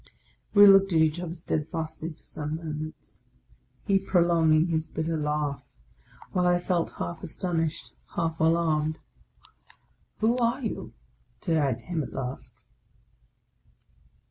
We looked at each other steadfastly for some moments ; OF A CONDEMNED 73 he prolonging his bitter laugh, while I felt half astonished, half alarmed. " Who are you ?" said I to him at last.